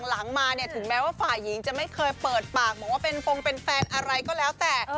หลังมาเนี่ยถึงแม้ว่าฝ่ายหญิงจะไม่เคยเปิดปากบอกว่าเป็นฟงเป็นแฟนอะไรก็แล้วแต่